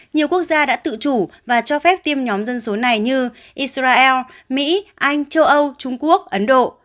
nhiều quốc gia đã tự chủ và cho phép tiêm nhóm dân số này như israel mỹ anh châu âu trung quốc ấn độ